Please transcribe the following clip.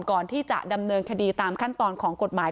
ก่อนที่จะดำเนินคดีตามขั้นตอนของกฎหมาย